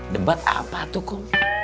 debat apa tuh kum